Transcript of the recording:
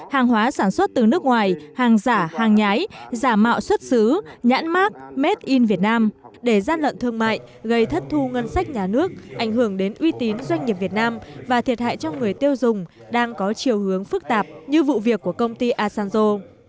hàng hóa sản xuất từ nước ngoài hàng giả hàng nhái giả mạo xuất xứ nhãn mát made in vietnam để gian lận thương mại gây thất thu ngân sách nhà nước ảnh hưởng đến uy tín doanh nghiệp việt nam và thiệt hại cho người tiêu dùng đang có chiều hướng phức tạp như vụ việc của công ty asanzo